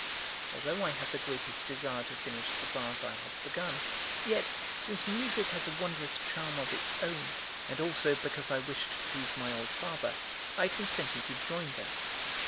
Although I had the greatest desire to finish the vase I had begun, yet, since music has a wondrous charm of its own, and also because I wished to please my old father, I consented to join them.